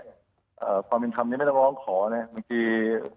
อ่าความินธรรมเนี้ยไม่ต้องร้องขอนะบางที